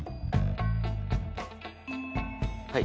はい。